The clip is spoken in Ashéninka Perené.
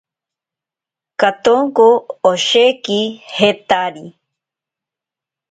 Katonko osheki jetari.